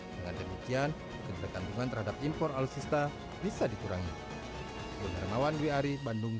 dengan demikian keterkandungan terhadap impor alutsista bisa dikurangi